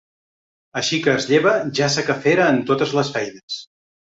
Així que es lleva ja s'aquefera en totes les feines.